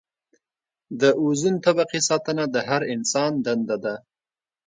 د اوزون طبقې ساتنه د هر انسان دنده ده.